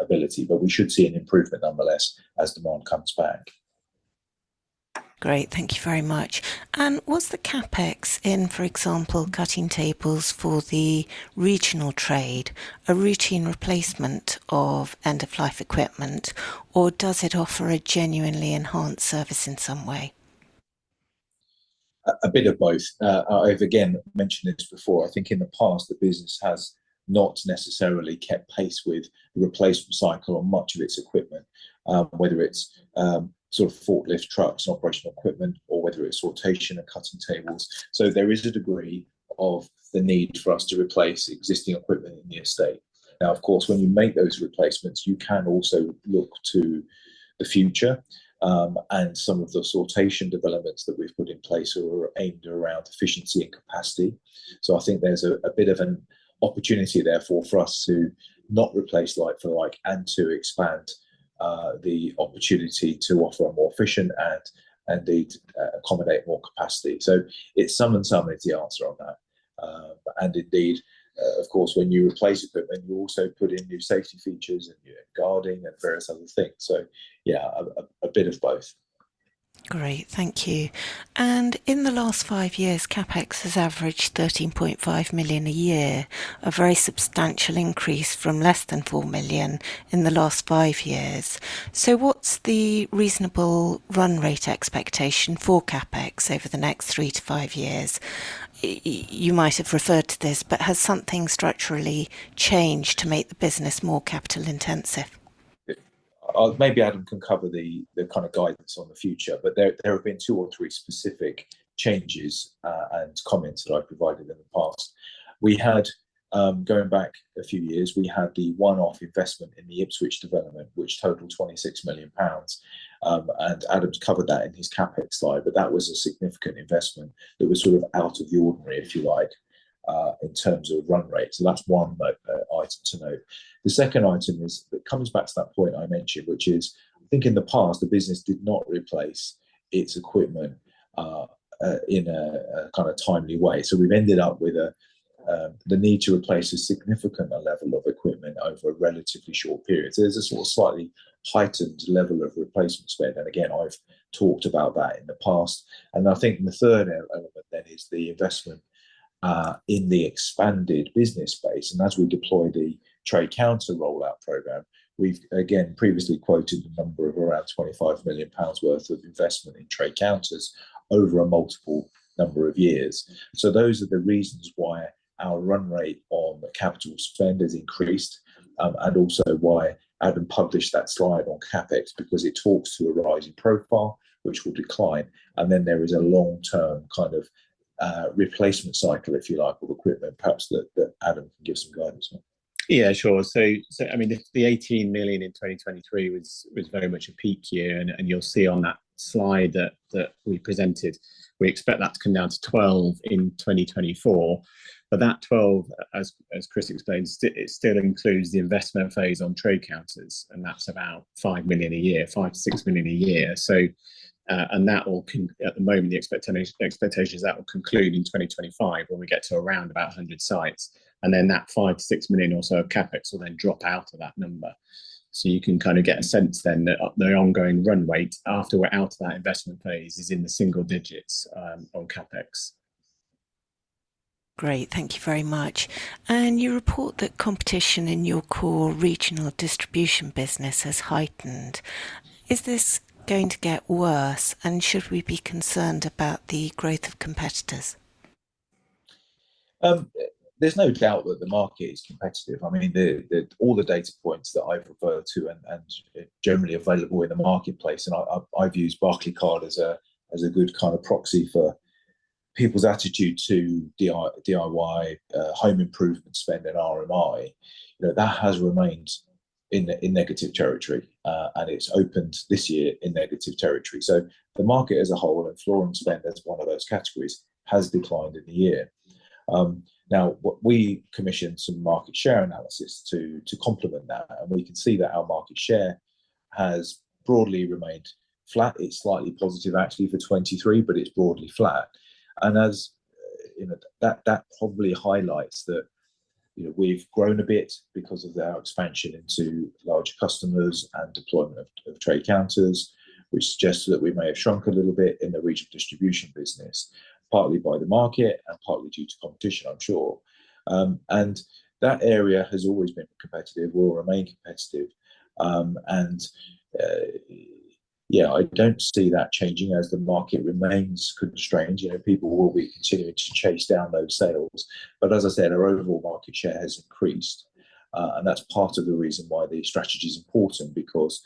ability, but we should see an improvement nonetheless as demand comes back. Great, thank you very much. Was the CapEx in, for example, cutting tables for the regional trade, a routine replacement of end-of-life equipment, or does it offer a genuinely enhanced service in some way? A bit of both. I've again mentioned this before. I think in the past, the business has not necessarily kept pace with the replacement cycle on much of its equipment, whether it's sort of forklift trucks, operational equipment, or whether it's sortation or cutting tables. So there is a degree of the need for us to replace existing equipment in the estate. Now, of course, when you make those replacements, you can also look to the future, and some of the sortation developments that we've put in place are aimed around efficiency and capacity. So I think there's a bit of an opportunity therefore for us to not replace like for like and to expand the opportunity to offer a more efficient and indeed accommodate more capacity. So it's some and some is the answer on that. And indeed, of course, when you replace equipment, you also put in new safety features and, you know, guarding and various other things. So yeah, a bit of both. ... Great, thank you. In the last 5 years, CapEx has averaged 13.5 million a year, a very substantial increase from less than 4 million in the last 5 years. What's the reasonable run rate expectation for CapEx over the next 3-5 years? You might have referred to this, but has something structurally changed to make the business more capital intensive? Maybe Adam can cover the kind of guidance on the future, but there have been two or three specific changes, and comments that I've provided in the past. We had, going back a few years, we had the one-off investment in the Ipswich development, which totaled 26 million pounds. And Adam's covered that in his CapEx slide, but that was a significant investment that was sort of out of the ordinary, if you like, in terms of run rate. So that's one item to note. The second item is, it comes back to that point I mentioned, which is, I think in the past, the business did not replace its equipment in a kind of timely way. So we've ended up with the need to replace a significant level of equipment over a relatively short period. So there's a sort of slightly tightened level of replacement spend. And again, I've talked about that in the past. And I think the third element then is the investment in the expanded business space. And as we deploy the trade counter rollout program, we've again, previously quoted the number of around 25 million pounds worth of investment in trade counters over a multiple number of years. So those are the reasons why our run rate on capital spend has increased, and also why Adam published that slide on CapEx, because it talks to a rising profile which will decline, and then there is a long-term kind of, replacement cycle, if you like, of equipment, perhaps that, that Adam can give some guidance on. Yeah, sure. So, I mean, the 18 million in 2023 was very much a peak year, and you'll see on that slide that we presented, we expect that to come down to 12 million in 2024. But that 12, as Chris explained, it still includes the investment phase on trade counters, and that's about 5 million a year, 5-6 million a year. So, and that will at the moment, the expectation is that will conclude in 2025, when we get to around about 100 sites, and then that 5-6 million or so of CapEx will then drop out of that number. So you can kind of get a sense then that the ongoing run rate after we're out of that investment phase is in the single digits, on CapEx. Great. Thank you very much. You report that competition in your core regional distribution business has heightened. Is this going to get worse, and should we be concerned about the growth of competitors? There's no doubt that the market is competitive. I mean, all the data points that I've referred to and generally available in the marketplace, and I've used Barclaycard as a good kind of proxy for people's attitude to DIY, home improvement spend and RMI. You know, that has remained in negative territory, and it's opened this year in negative territory. So the market as a whole and flooring spend, as one of those categories, has declined in the year. Now, what we commissioned some market share analysis to complement that, and we can see that our market share has broadly remained flat. It's slightly positive, actually, for 2023, but it's broadly flat. As you know, that probably highlights that, you know, we've grown a bit because of our expansion into larger customers and deployment of trade counters, which suggests that we may have shrunk a little bit in the regional distribution business, partly by the market and partly due to competition, I'm sure. That area has always been competitive, will remain competitive, and yeah, I don't see that changing as the market remains constrained. You know, people will be continuing to chase down those sales. But as I said, our overall market share has increased, and that's part of the reason why the strategy is important, because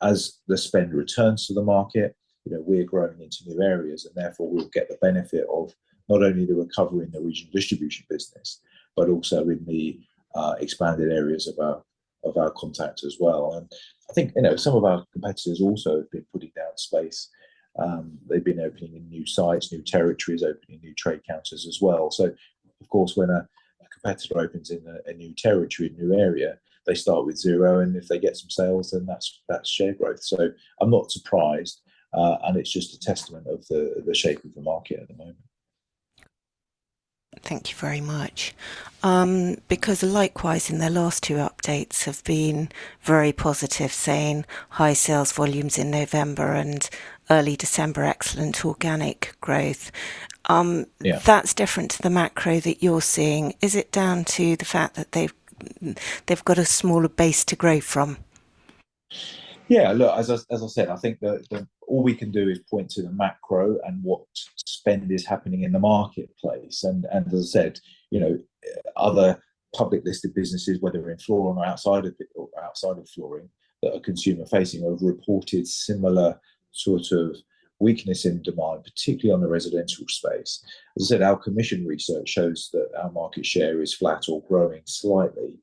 as the spend returns to the market, you know, we're growing into new areas, and therefore we'll get the benefit of not only the recovery in the regional distribution business, but also in the expanded areas of our, of our contacts as well. And I think, you know, some of our competitors also have been putting down space. They've been opening in new sites, new territories, opening new trade counters as well. So of course, when a competitor opens in a new territory, a new area, they start with zero, and if they get some sales, then that's share growth. So I'm not surprised, and it's just a testament of the shape of the market at the moment. Thank you very much. Because Likewise, in their last two updates have been very positive, saying high sales volumes in November and early December, excellent organic growth. Yeah. That's different to the macro that you're seeing. Is it down to the fact that they've got a smaller base to grow from? Yeah, look, as I said, I think all we can do is point to the macro and what spend is happening in the marketplace. And as I said, you know, other public listed businesses, whether in flooring or outside of it, or outside of flooring, that are consumer-facing, have reported similar sort of weakness in demand, particularly on the residential space. As I said, our commission research shows that our market share is flat or growing slightly.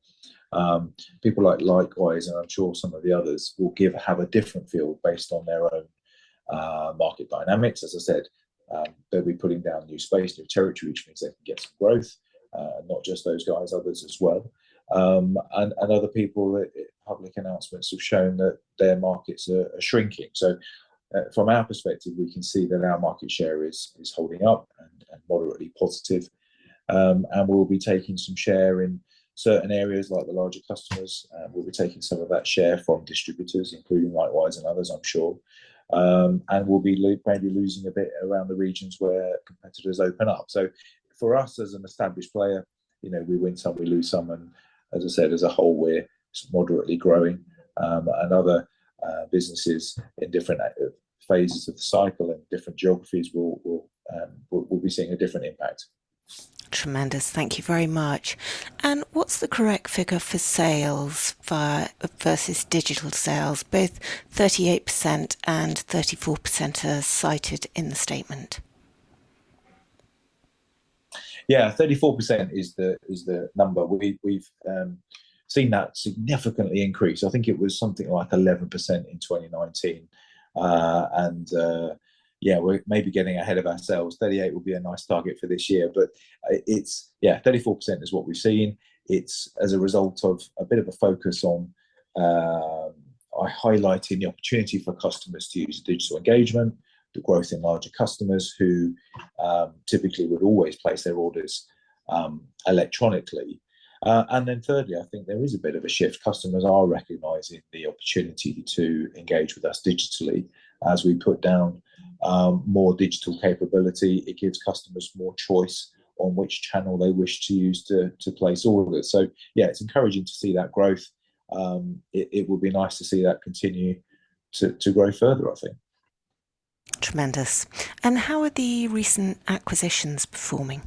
People like Likewise, and I'm sure some of the others, will have a different feel based on their own market dynamics. As I said, they'll be putting down new space, new territory, which means they can get some growth, not just those guys, others as well. And other people, public announcements have shown that their markets are shrinking. So, from our perspective, we can see that our market share is holding up and moderately positive. And we'll be taking some share in certain areas, like the larger customers, we'll be taking some of that share from distributors, including Likewise and others, I'm sure. And we'll be maybe losing a bit around the regions where competitors open up. So for us, as an established player, you know, we win some, we lose some, and as I said, as a whole, we're just moderately growing. And other businesses in different phases of the cycle and different geographies will be seeing a different impact. Tremendous. Thank you very much. What's the correct figure for sales via, versus digital sales? Both 38% and 34% are cited in the statement. Yeah, 34% is the number. We've seen that significantly increase. I think it was something like 11% in 2019. And, yeah, we're maybe getting ahead of ourselves. 38 will be a nice target for this year, but, it's. Yeah, 34% is what we've seen. It's as a result of a bit of a focus on, by highlighting the opportunity for customers to use digital engagement, the growth in larger customers who, typically would always place their orders, electronically. And then thirdly, I think there is a bit of a shift. Customers are recognizing the opportunity to engage with us digitally. As we put down, more digital capability, it gives customers more choice on which channel they wish to use to place orders. So yeah, it's encouraging to see that growth. It will be nice to see that continue to grow further, I think. Tremendous. How are the recent acquisitions performing?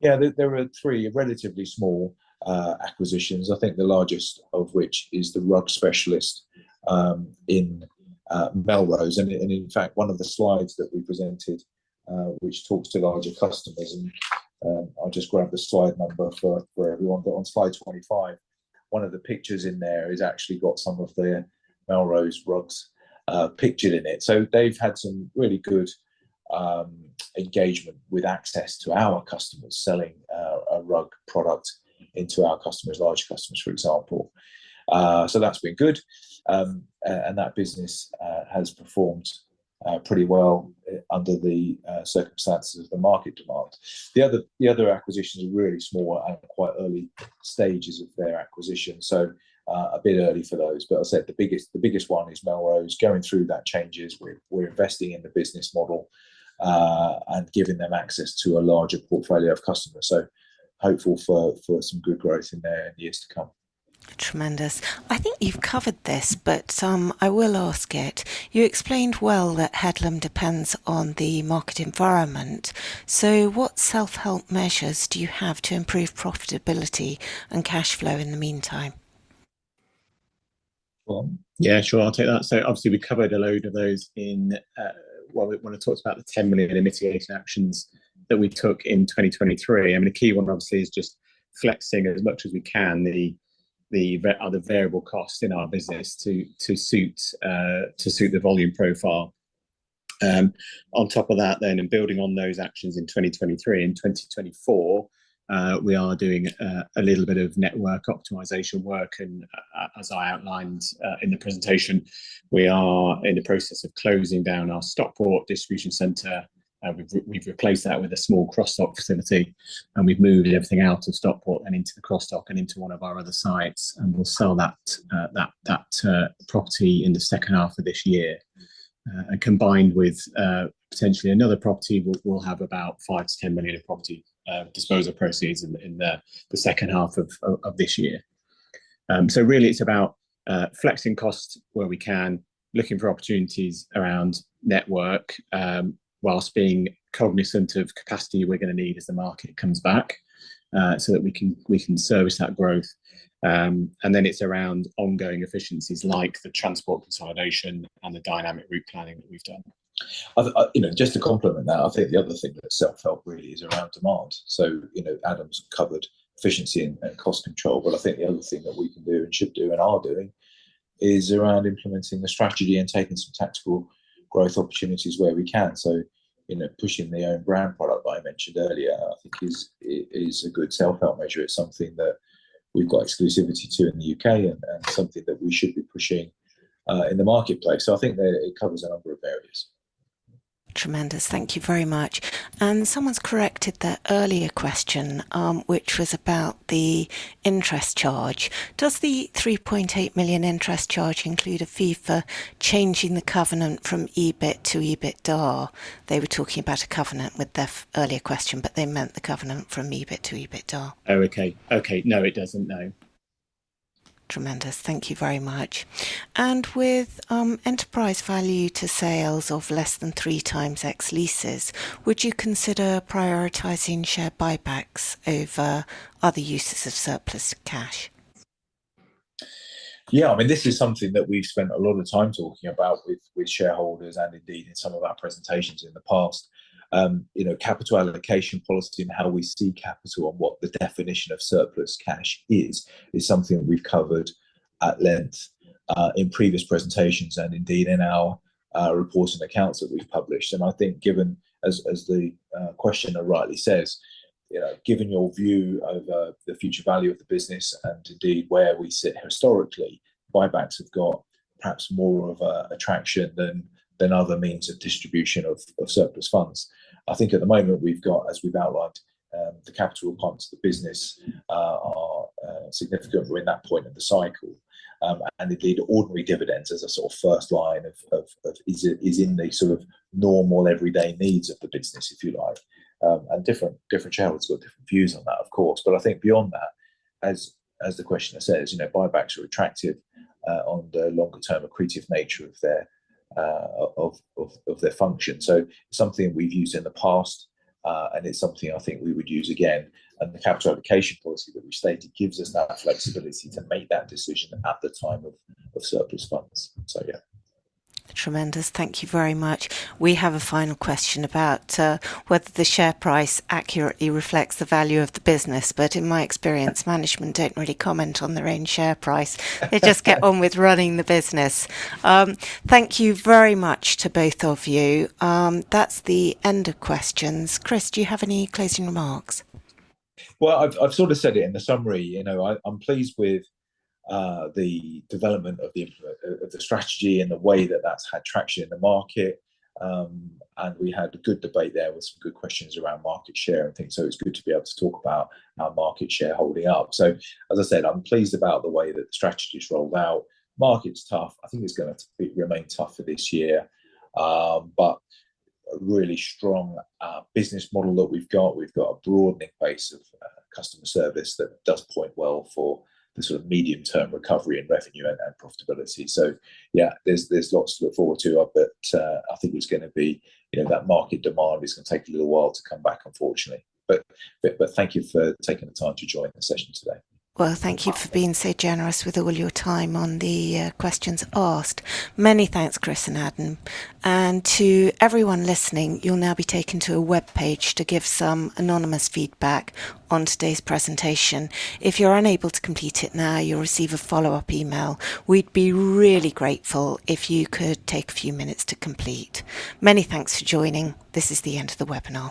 Yeah, there are three relatively small acquisitions. I think the largest of which is the rug specialist in Melrose. And in fact, one of the slides that we presented, which talks to larger customers, and I'll just grab the slide number for everyone. But on slide 25, one of the pictures in there has actually got some of the Melrose rugs pictured in it. So they've had some really good engagement with access to our customers, selling a rug product into our customers, larger customers, for example. So that's been good. And that business has performed pretty well under the circumstances of the market demand. The other acquisitions are really small and quite early stages of their acquisition, so a bit early for those. But I said the biggest, the biggest one is Melrose. Going through that changes, we're, we're investing in the business model, and giving them access to a larger portfolio of customers. So hopeful for, for some good growth in there in years to come. Tremendous. I think you've covered this, but, I will ask it. You explained well that Headlam depends on the market environment. So what self-help measures do you have to improve profitability and cash flow in the meantime? Well, yeah, sure, I'll take that. So obviously, we covered a load of those in when we talked about the 10 million mitigation actions that we took in 2023. I mean, the key one, obviously, is just flexing as much as we can the variable costs in our business to suit the volume profile. On top of that then, and building on those actions in 2023, in 2024, we are doing a little bit of network optimization work, and as I outlined in the presentation, we are in the process of closing down our Stockport distribution center. We've replaced that with a small cross-dock facility, and we've moved everything out of Stockport and into the cross-dock and into one of our other sites, and we'll sell that property in the second half of this year. And combined with potentially another property, we'll have about 5 million-10 million of property disposal proceeds in the second half of this year. So really, it's about flexing costs where we can, looking for opportunities around network, whilst being cognizant of capacity we're going to need as the market comes back, so that we can service that growth. And then it's around ongoing efficiencies like the transport consolidation and the dynamic route planning that we've done. You know, just to complement that, I think the other thing that self-help really is around demand. So, you know, Adam's covered efficiency and cost control, but I think the other thing that we can do and should do, and are doing is around implementing the strategy and taking some tactical growth opportunities where we can. So, you know, pushing the own brand product that I mentioned earlier, I think is a good self-help measure. It's something that we've got exclusivity to in the UK and something that we should be pushing in the marketplace. So I think that it covers a number of areas. Tremendous. Thank you very much. And someone's corrected their earlier question, which was about the interest charge. Does the 3.8 million interest charge include a fee for changing the covenant from EBIT to EBITDA? They were talking about a covenant with their earlier question, but they meant the covenant from EBIT to EBITDA. Oh, okay. Okay. No, it doesn't, no. Tremendous. Thank you very much. And with enterprise value to sales of less than 3x sales, would you consider prioritizing share buybacks over other uses of surplus cash? Yeah, I mean, this is something that we've spent a lot of time talking about with, with shareholders and indeed in some of our presentations in the past. You know, capital allocation policy and how we see capital and what the definition of surplus cash is, is something we've covered at length, in previous presentations and indeed in our, reports and accounts that we've published. And I think given, as, as the, questioner rightly says, you know, given your view over the future value of the business and indeed where we sit historically, buybacks have got perhaps more of a attraction than, than other means of distribution of, of surplus funds. I think at the moment we've got, as we've outlined, the capital requirements of the business, are, significant. We're in that point of the cycle. Indeed, ordinary dividends as a sort of first line of is in the sort of normal, everyday needs of the business, if you like. Different channels have got different views on that, of course. But I think beyond that, as the questioner says, you know, buybacks are attractive on the longer-term accretive nature of their function. So something we've used in the past, and it's something I think we would use again, and the capital allocation policy that we've stated gives us that flexibility to make that decision at the time of surplus funds. So yeah. Tremendous. Thank you very much. We have a final question about whether the share price accurately reflects the value of the business, but in my experience, management don't really comment on their own share price. They just get on with running the business. Thank you very much to both of you. That's the end of questions. Chris, do you have any closing remarks? Well, I've sort of said it in the summary. You know, I'm pleased with the development of the strategy and the way that that's had traction in the market. And we had a good debate there with some good questions around market share, I think. So it's good to be able to talk about our market share holding up. So as I said, I'm pleased about the way that the strategy's rolled out. Market's tough. I think it's gonna remain tough for this year. But a really strong business model that we've got. We've got a broadening base of customer service that does point well for the sort of medium-term recovery in revenue and profitability. So yeah, there's lots to look forward to, but I think it's gonna be, you know, that market demand is gonna take a little while to come back, unfortunately. But thank you for taking the time to join the session today. Well, thank you for being so generous with all your time on the questions asked. Many thanks, Chris and Adam. And to everyone listening, you'll now be taken to a webpage to give some anonymous feedback on today's presentation. If you're unable to complete it now, you'll receive a follow-up email. We'd be really grateful if you could take a few minutes to complete. Many thanks for joining. This is the end of the webinar.